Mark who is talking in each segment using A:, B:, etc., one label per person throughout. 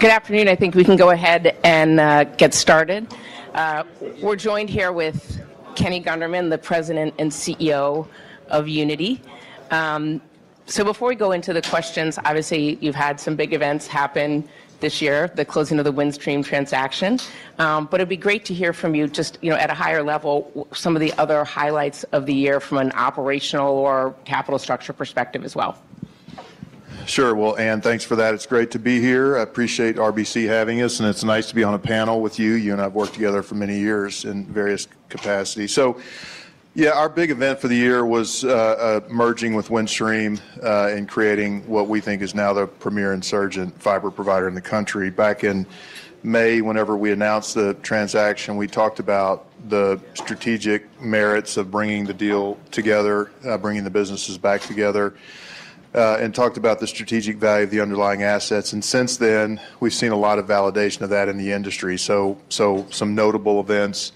A: Good afternoon. I think we can go ahead and get started. We're joined here with Kenny Gunderman, the President and CEO of Uniti. Before we go into the questions, obviously, you've had some big events happen this year, the closing of the Windstream transaction. It'd be great to hear from you, at a higher level, some of the other highlights of the year from an operational or capital structure perspective as well.
B: Sure. Ann, thanks for that. It's great to be here. I appreciate RBC having us, and it's nice to be on a panel with you. You and I have worked together for many years in various capacities. Our big event for the year was merging with Windstream and creating what we think is now the premier and insurgent fiber provider in the country. Back in May, when we announced the transaction, we talked about the strategic merits of bringing the deal together, bringing the businesses back together, and talked about the strategic value of the underlying assets. Since then, we've seen a lot of validation of that in the industry. Some notable events: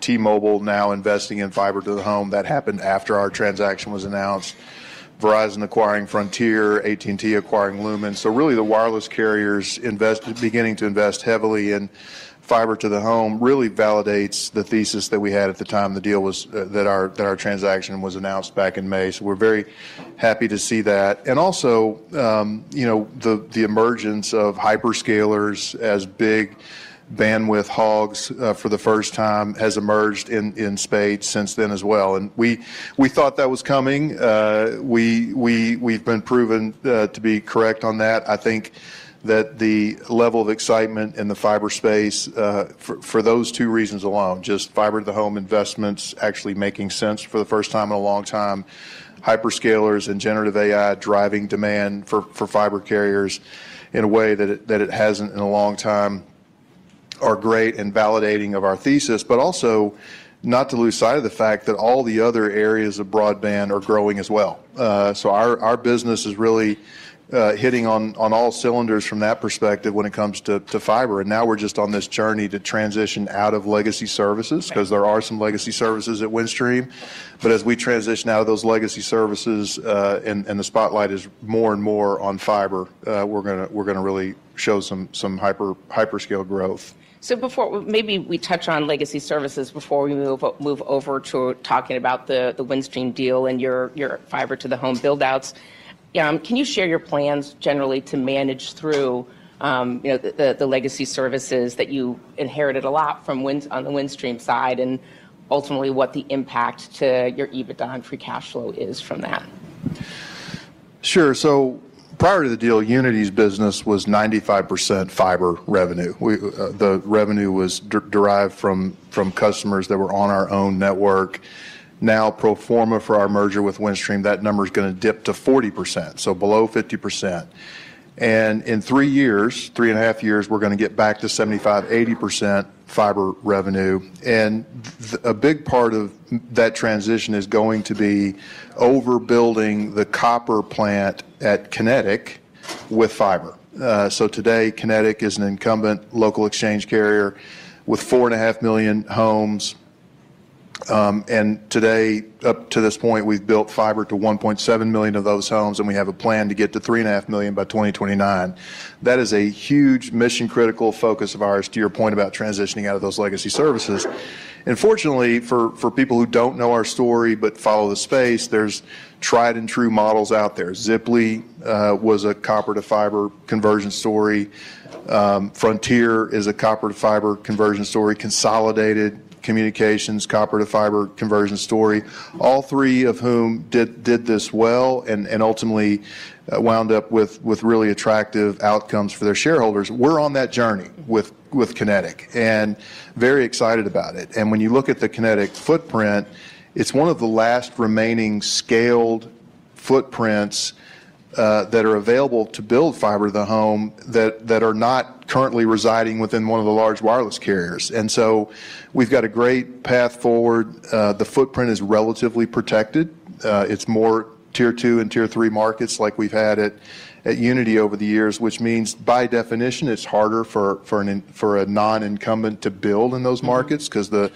B: T-Mobile now investing in fiber-to-the-home, that happened after our transaction was announced; Verizon acquiring Frontier; AT&T acquiring Lumen. The wireless carriers beginning to invest heavily in fiber-to-the-home really validates the thesis that we had at the time our transaction was announced back in May. We're very happy to see that. Also, the emergence of hyperscalers as big bandwidth hogs, for the first time, has emerged in the space since then as well. We thought that was coming. We've been proven to be correct on that. I think that the level of excitement in the fiber space, for those two reasons alone—just fiber-to-the-home investments actually making sense for the first time in a long time, and hyperscalers and generative AI driving demand for fiber carriers in a way that it hasn't in a long time—are great and validating of our thesis, but also not to lose sight of the fact that all the other areas of broadband are growing as well. Our business is really hitting on all cylinders from that perspective when it comes to fiber. Now we're just on this journey to transition out of legacy services because there are some legacy services at Windstream. As we transition out of those legacy services and the spotlight is more and more on fiber, we're going to really show some hyperscale growth.
A: Before we touch on legacy services, before we move over to talking about the Windstream deal and your fiber-to-the-home buildouts, can you share your plans generally to manage through the legacy services that you inherited a lot from on the Windstream side and ultimately what the impact to your EBITDA and free cash flow is from that?
B: Sure. Prior to the deal, Uniti's business was 95% fiber revenue. The revenue was derived from customers that were on our own network. Now, pro forma for our merger with Windstream, that number is going to dip to 40%, so below 50%. In three years, three and a half years, we're going to get back to 75%, 80% fiber revenue. A big part of that transition is going to be overbuilding the copper plant at Kinetic with fiber. Today, Kinetic is an incumbent local exchange carrier with 4.5 million homes. Up to this point, we've built fiber to 1.7 million of those homes, and we have a plan to get to 3.5 million by 2029. That is a huge mission-critical focus of ours, to your point about transitioning out of those legacy services. Fortunately, for people who don't know our story but follow the space, there are tried and true models out there. Ziply was a copper to fiber conversion story. Frontier is a copper to fiber conversion story. Consolidated Communications copper to fiber conversion story, all three of whom did this well and ultimately wound up with really attractive outcomes for their shareholders. We're on that journey with Kinetic and very excited about it. When you look at the Kinetic footprint, it's one of the last remaining scaled footprints that are available to build fiber-to-the-home that are not currently residing within one of the large wireless carriers. We've got a great path forward. The footprint is relatively protected. It's more tier two and tier three markets like we've had at Uniti over the years, which means by definition it's harder for a non-incumbent to build in those markets because the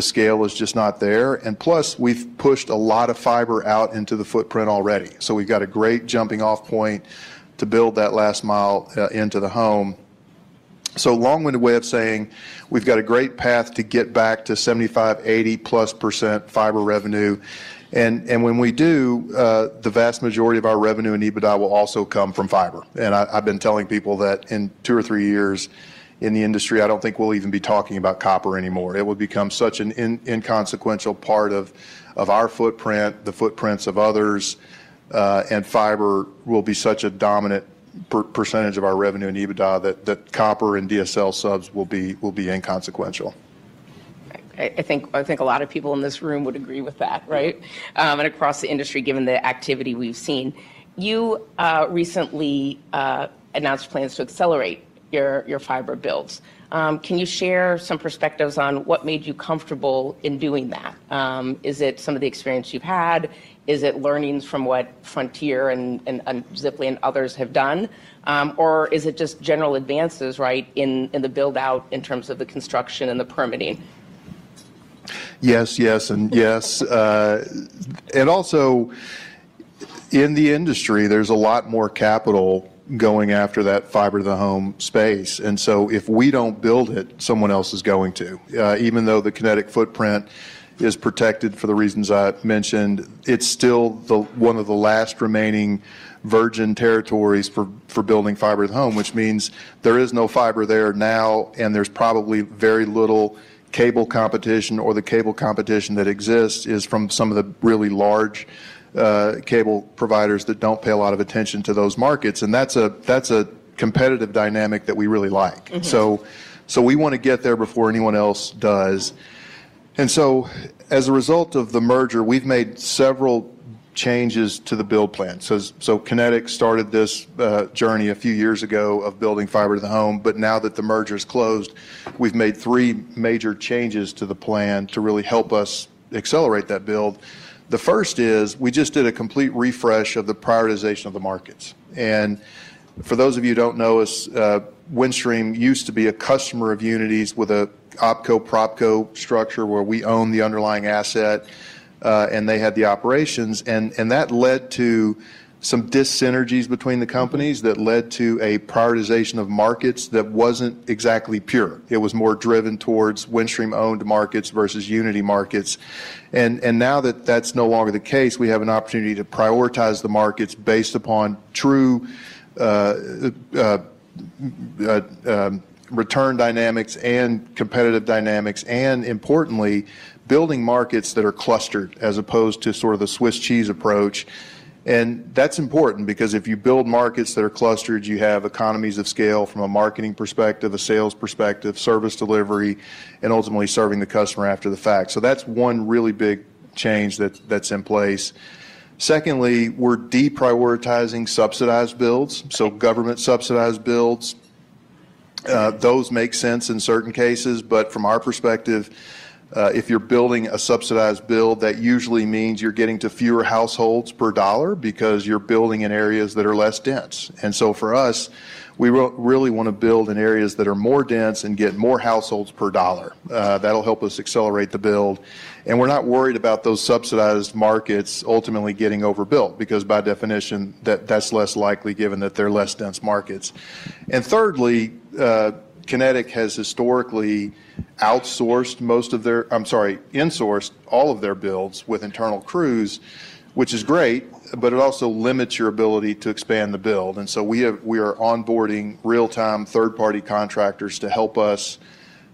B: scale is just not there. Plus, we've pushed a lot of fiber out into the footprint already. We've got a great jumping-off point to build that last mile into the home. Long-winded way of saying we've got a great path to get back to 75%, 80%+ fiber revenue. When we do, the vast majority of our revenue and EBITDA will also come from fiber. I've been telling people that in two or three years in the industry, I don't think we'll even be talking about copper anymore. It will become such an inconsequential part of our footprint, the footprints of others, and fiber will be such a dominant percentage of our revenue and EBITDA that copper and DSL subs will be inconsequential.
A: I think a lot of people in this room would agree with that, right? Across the industry, given the activity we've seen, you recently announced plans to accelerate your fiber builds. Can you share some perspectives on what made you comfortable in doing that? Is it some of the experience you've had? Is it learnings from what Frontier and Ziply and others have done? Or is it just general advances, right, in the buildout in terms of the construction and the permitting?
B: Yes, yes, and yes. Also, in the industry, there's a lot more capital going after that fiber-to-the-home space. If we don't build it, someone else is going to. Even though the Kinetic footprint is protected for the reasons I mentioned, it's still one of the last remaining virgin territories for building fiber-to-the-home, which means there is no fiber there now, and there's probably very little cable competition, or the cable competition that exists is from some of the really large cable providers that don't pay a lot of attention to those markets. That's a competitive dynamic that we really like. We want to get there before anyone else does. As a result of the merger, we've made several changes to the build plan. Kinetic started this journey a few years ago of building fiber-to-the-home, but now that the merger is closed, we've made three major changes to the plan to really help us accelerate that build. The first is we just did a complete refresh of the prioritization of the markets. For those of you who don't know us, Windstream used to be a customer of Uniti's with an opco, proco structure where we own the underlying asset, and they had the operations. That led to some dissynergies between the companies that led to a prioritization of markets that wasn't exactly pure. It was more driven towards Windstream-owned markets versus Uniti markets. Now that that's no longer the case, we have an opportunity to prioritize the markets based upon true return dynamics and competitive dynamics and, importantly, building markets that are clustered as opposed to sort of the Swiss cheese approach. That's important because if you build markets that are clustered, you have economies of scale from a marketing perspective, a sales perspective, service delivery, and ultimately serving the customer after the fact. That's one really big change that's in place. Secondly, we're deprioritizing subsidized builds. Government subsidized builds make sense in certain cases, but from our perspective, if you're building a subsidized build, that usually means you're getting to fewer households per dollar because you're building in areas that are less dense. For us, we really want to build in areas that are more dense and get more households per dollar. That'll help us accelerate the build. We are not worried about those subsidized markets ultimately getting overbuilt because by definition, that's less likely given that they're less dense markets. Thirdly, Kinetic has historically insourced all of their builds with internal crews, which is great, but it also limits your ability to expand the build. We are onboarding real-time third-party contractors to help us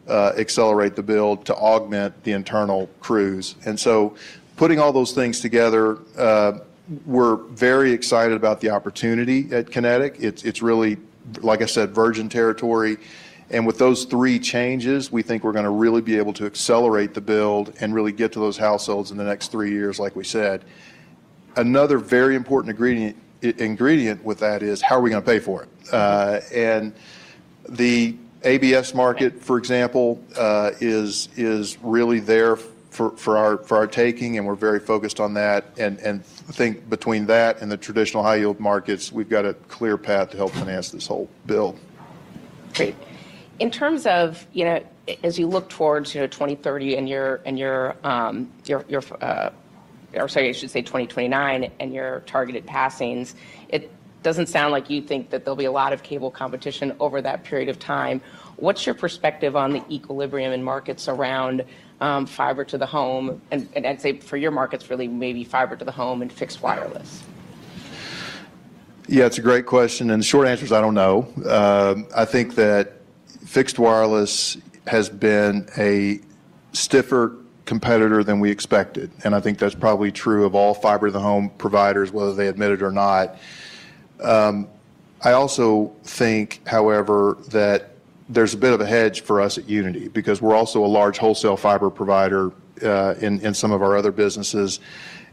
B: accelerate the build to augment the internal crews. Putting all those things together, we're very excited about the opportunity at Kinetic. It's really, like I said, virgin territory. With those three changes, we think we're going to really be able to accelerate the build and really get to those households in the next three years, like we said. Another very important ingredient with that is how are we going to pay for it? The ABS market, for example, is really there for our taking, and we're very focused on that. I think between that and the traditional high-yield markets, we've got a clear path to help finance this whole build.
A: Great. In terms of, as you look towards 2029 and your targeted passings, it doesn't sound like you think that there'll be a lot of cable competition over that period of time. What's your perspective on the equilibrium in markets around fiber-to-the-home, and I'd say for your markets, really maybe fiber-to-the-home and fixed wireless?
B: Yeah, it's a great question. The short answer is I don't know. I think that fixed wireless has been a stiffer competitor than we expected. I think that's probably true of all fiber-to-the-home providers, whether they admit it or not. I also think, however, that there's a bit of a hedge for us at Uniti because we're also a large wholesale fiber provider in some of our other businesses.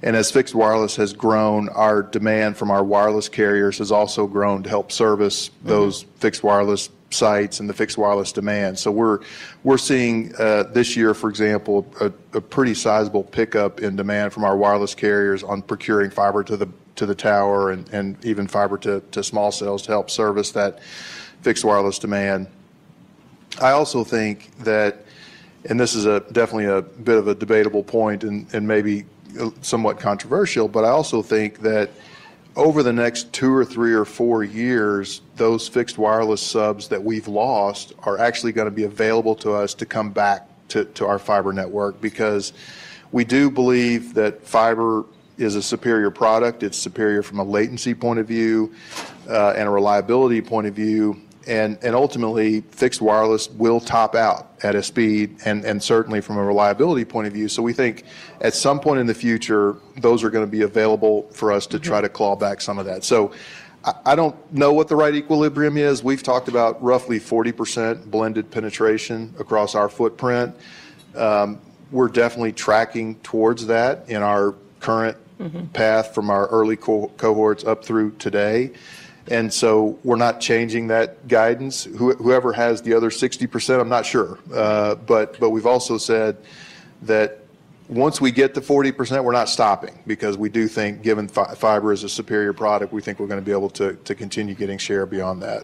B: As fixed wireless has grown, our demand from our wireless carriers has also grown to help service those fixed wireless sites and the fixed wireless demand. This year, for example, we're seeing a pretty sizable pickup in demand from our wireless carriers on procuring fiber to the tower and even fiber to small cells to help service that fixed wireless demand. I also think that, and this is definitely a bit of a debatable point and maybe somewhat controversial, over the next two or three or four years, those fixed wireless subs that we've lost are actually going to be available to us to come back to our fiber network because we do believe that fiber is a superior product. It's superior from a latency point of view and a reliability point of view. Ultimately, fixed wireless will top out at a speed and certainly from a reliability point of view. We think at some point in the future, those are going to be available for us to try to claw back some of that. I don't know what the right equilibrium is. We've talked about roughly 40% blended penetration across our footprint. We're definitely tracking towards that in our current path from our early cohorts up through today, and we're not changing that guidance. Whoever has the other 60%, I'm not sure. We've also said that once we get to 40%, we're not stopping because we do think given fiber is a superior product, we're going to be able to continue getting share beyond that.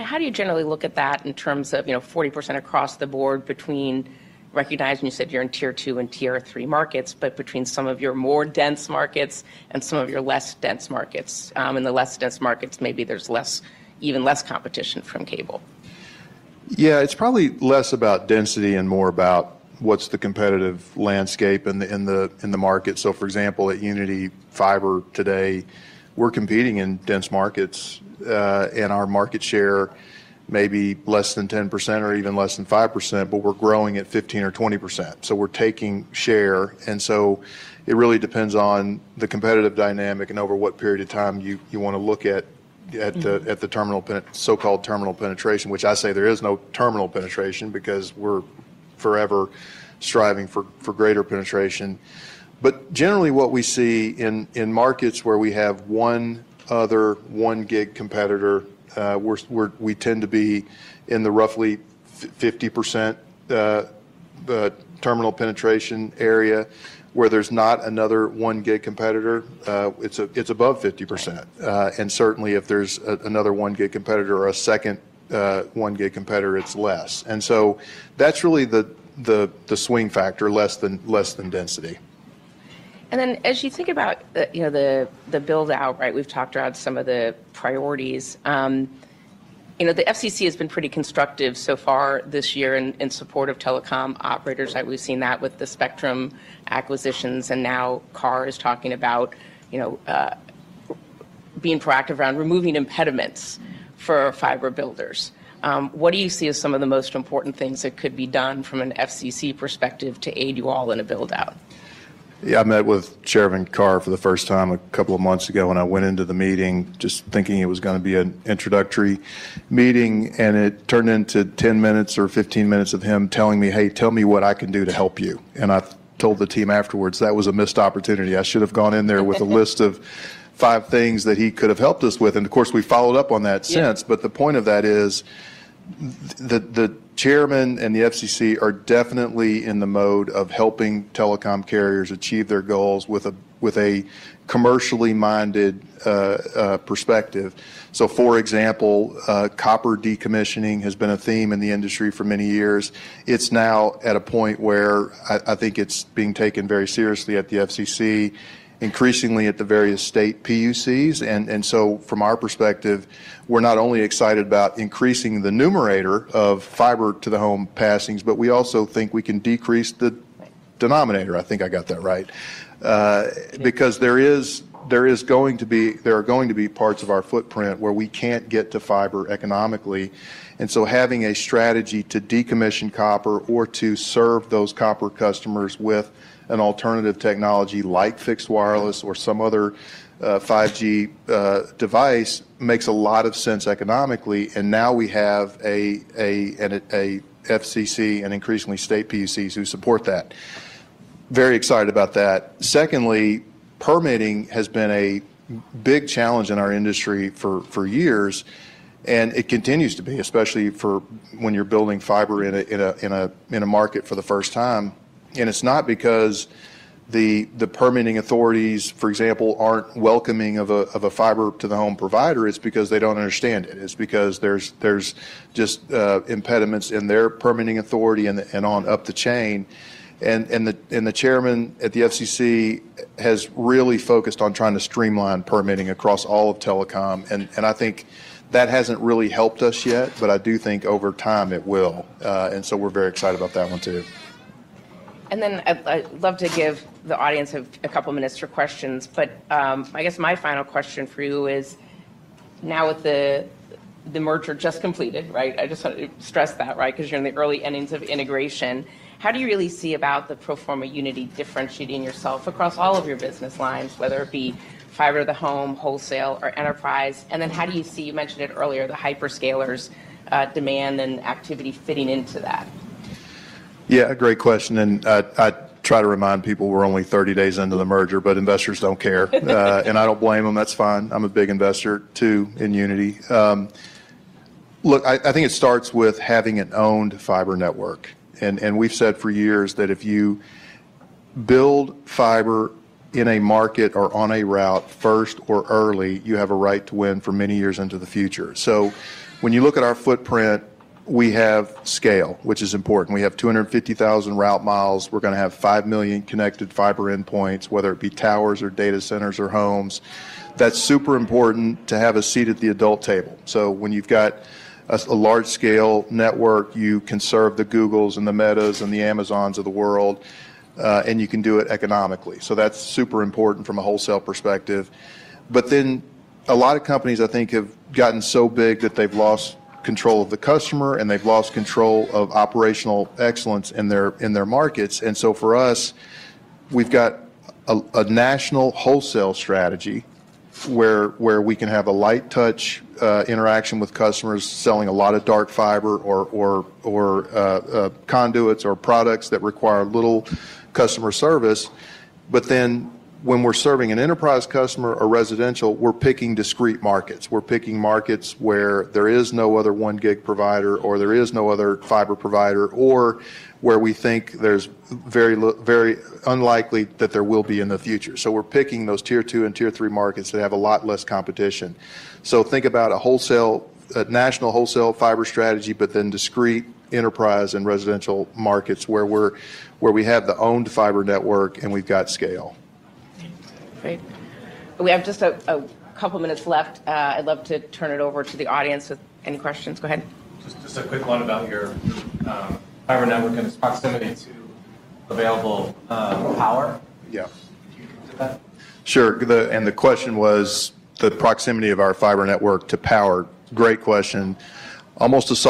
A: How do you generally look at that in terms of 40% across the board between recognizing you said you're in tier two and tier three markets, but between some of your more dense markets and some of your less dense markets? In the less dense markets, maybe there's even less competition from cable.
B: Yeah, it's probably less about density and more about what's the competitive landscape in the market. For example, at Uniti Fiber today, we're competing in dense markets, and our market share may be less than 10% or even less than 5%, but we're growing at 15% or 20%. We're taking share. It really depends on the competitive dynamic and over what period of time you want to look at the so-called terminal penetration, which I say there is no terminal penetration because we're forever striving for greater penetration. Generally, what we see in markets where we have one other one gig competitor, we tend to be in the roughly 50% terminal penetration area. Where there's not another one gig competitor, it's above 50%. Certainly, if there's another one gig competitor or a second one gig competitor, it's less. That's really the swing factor, less than density.
A: As you think about the buildout, we've talked around some of the priorities. The FCC has been pretty constructive so far this year in support of telecom operators. We've seen that with the Spectrum acquisitions, and now Carr is talking about being proactive around removing impediments for fiber builders. What do you see as some of the most important things that could be done from an FCC perspective to aid you all in a buildout?
B: Yeah, I met with Chairman Carr for the first time a couple of months ago, and I went into the meeting just thinking it was going to be an introductory meeting, and it turned into 10 or 15 minutes of him telling me, "Hey, tell me what I can do to help you." I told the team afterwards that was a missed opportunity. I should have gone in there with a list of five things that he could have helped us with. Of course, we followed up on that since. The point of that is that the Chairman and the FCC are definitely in the mode of helping telecom carriers achieve their goals with a commercially minded perspective. For example, copper decommissioning has been a theme in the industry for many years. It's now at a point where I think it's being taken very seriously at the FCC, increasingly at the various state PUCs. From our perspective, we're not only excited about increasing the numerator of fiber-to-the-home passings, but we also think we can decrease the denominator. I think I got that right, because there are going to be parts of our footprint where we can't get to fiber economically. Having a strategy to decommission copper or to serve those copper customers with an alternative technology like fixed wireless or some other 5G device makes a lot of sense economically. Now we have an FCC and increasingly state PUCs who support that. Very excited about that. Secondly, permitting has been a big challenge in our industry for years, and it continues to be, especially when you're building fiber in a market for the first time. It's not because the permitting authorities, for example, aren't welcoming of a fiber-to-the-home provider. It's because they don't understand it. It's because there are just impediments in their permitting authority and on up the chain. The Chairman at the FCC has really focused on trying to streamline permitting across all of telecom. I think that hasn't really helped us yet, but I do think over time it will, and so we're very excited about that one too.
A: I'd love to give the audience a couple of minutes for questions. My final question for you is now with the merger just completed, right? I just want to stress that, right? Because you're in the early innings of integration. How do you really see the pro forma Uniti differentiating yourself across all of your business lines, whether it be fiber-to-the-home, wholesale, or enterprise? How do you see, you mentioned it earlier, the hyperscalers, demand and activity fitting into that?
B: That's super important from a wholesale perspective. A lot of companies, I think, have gotten so big that they've lost control of the customer and they've lost control of operational excellence in their markets. For us, we've got a national wholesale strategy where we can have a light touch interaction with customers, selling a lot of dark fiber or conduits or products that require little customer service. When we're serving an enterprise customer or residential, we're picking discrete markets. We're picking markets where there is no other one gig provider or there is no other fiber provider or where we think there's very, very unlikely that there will be in the future. We're picking those tier two and tier three markets that have a lot less competition. Think about a national wholesale fiber strategy, but then discrete enterprise and residential markets where we have the owned fiber network and we've got scale.
A: Right. We have just a couple of minutes left. I'd love to turn it over to the audience with any questions. Go ahead.
C: Just a quick one about your fiber network and its proximity to available power.
B: Yeah. Sure. The question was the proximity of our fiber network to power. Great question. It's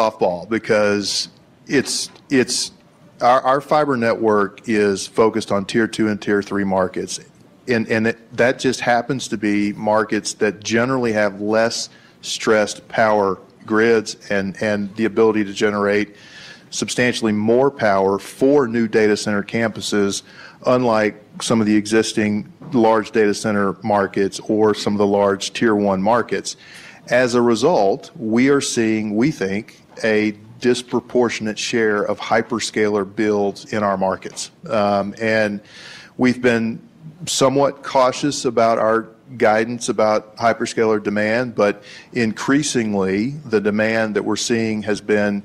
B: our fiber network is focused on tier two and tier three markets, and that just happens to be markets that generally have less stressed power grids and the ability to generate substantially more power for new data center campuses, unlike some of the existing large data center markets or some of the large tier one markets. As a result, we are seeing, we think, a disproportionate share of hyperscaler builds in our markets. We've been somewhat cautious about our guidance about hyperscaler demand, but increasingly, the demand that we're seeing has been,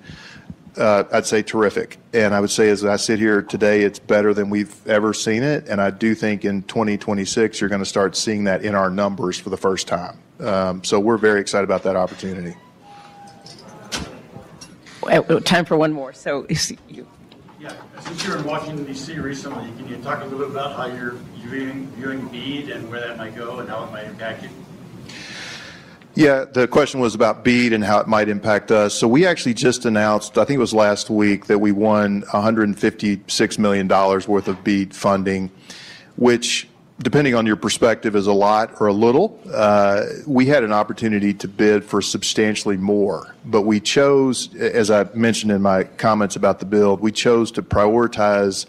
B: I'd say, terrific. I would say as I sit here today, it's better than we've ever seen it. I do think in 2026, you're going to start seeing that in our numbers for the first time. We're very excited about that opportunity.
A: Time for one more. You.
D: Since you were in Washington, D.C. recently, can you talk a little bit about how you're viewing BEAD and where that might go and how it might impact you?
B: Yeah, the question was about BEAD and how it might impact us. We actually just announced, I think it was last week, that we won $156 million worth of BEAD funding, which, depending on your perspective, is a lot or a little. We had an opportunity to bid for substantially more, but we chose, as I mentioned in my comments about the build, to prioritize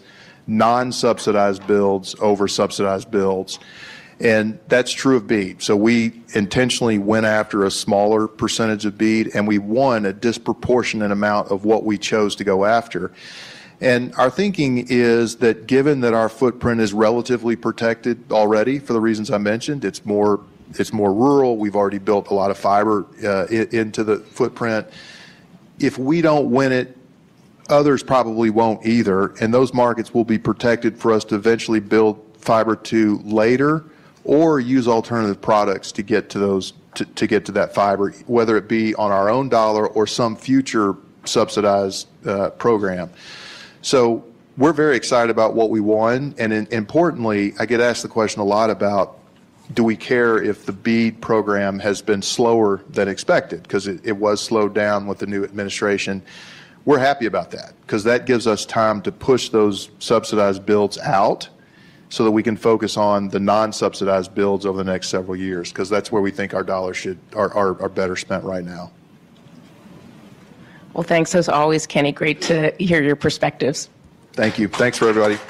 B: non-subsidized builds over subsidized builds. That is true of BEAD. We intentionally went after a smaller percent of BEAD, and we won a disproportionate amount of what we chose to go after. Our thinking is that given that our footprint is relatively protected already for the reasons I mentioned, it's more rural. We've already built a lot of fiber into the footprint. If we don't win it, others probably won't either, and those markets will be protected for us to eventually build fiber to later or use alternative products to get to that fiber, whether it be on our own dollar or some future subsidized program. We're very excited about what we won. Importantly, I get asked the question a lot about whether we care if the BEAD program has been slower than expected, because it was slowed down with the new administration. We're happy about that because that gives us time to push those subsidized builds out so that we can focus on the non-subsidized builds over the next several years, because that's where we think our dollars are better spent right now.
A: Thanks as always, Kenny. Great to hear your perspectives.
B: Thank you. Thanks, everybody.